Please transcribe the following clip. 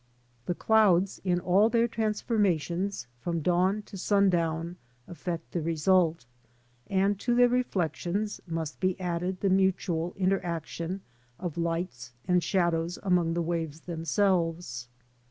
The clouds, in all their transformations from dawn to sundown, affect the result, and to their reflections must be added the mutual inter action of lights and shadows among the waves themselves.